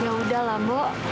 yaudah lah mbak